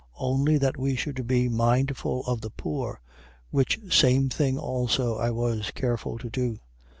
Only that we should be mindful of the poor: which same thing also I was careful to do.